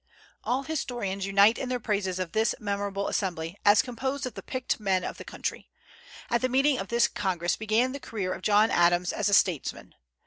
All historians unite in their praises of this memorable assembly, as composed of the picked men of the country. At the meeting of this Congress began the career of John Adams as a statesman.